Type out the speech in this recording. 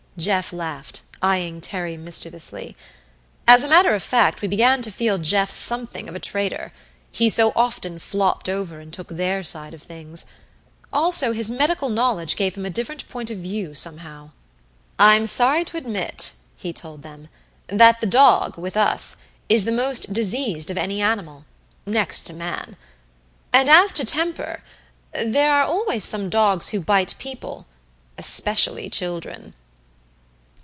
Jeff laughed, eyeing Terry mischievously. As a matter of fact we began to feel Jeff something of a traitor he so often flopped over and took their side of things; also his medical knowledge gave him a different point of view somehow. "I'm sorry to admit," he told them, "that the dog, with us, is the most diseased of any animal next to man. And as to temper there are always some dogs who bite people especially children."